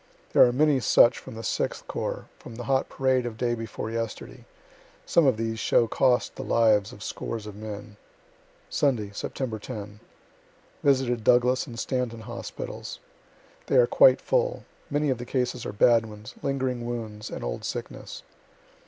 There are many such from the Sixth corps, from the hot parade of day before yesterday. (Some of these shows cost the lives of scores of men.) Sunday, Sep. 10. Visited Douglas and Stanton hospitals. They are quite full. Many of the cases are bad ones, lingering wounds, and old sickness.